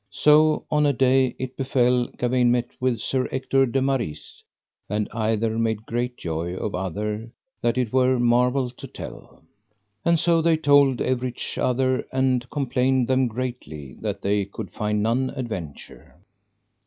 So on a day it befell Gawaine met with Sir Ector de Maris, and either made great joy of other that it were marvel to tell. And so they told everych other, and complained them greatly that they could find none adventure.